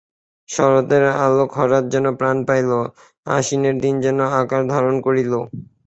শরতের আলোক হঠাৎ যেন প্রাণ পাইল, আশ্বিনের দিন যেন আকার ধারণ করিল।